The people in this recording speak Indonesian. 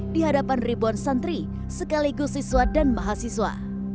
di hadapan ribuan santri sekaligus siswa dan mahasiswa